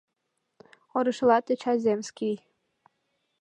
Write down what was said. - орышыла тӧча земский.